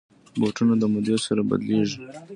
بوټونه د مودې سره بدلېږي.